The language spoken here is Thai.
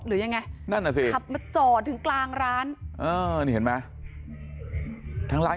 หรือยังไงนั่นน่ะสิขับมาจอดถึงกลางร้านเออนี่เห็นไหมทางร้าน